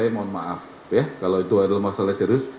maaf ya kalau itu adalah masalah serius